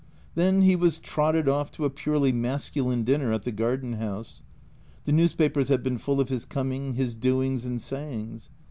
Then he was trotted off to a purely masculine dinner at the garden house. The newspapers have been full of his coming, his doings, and sayings.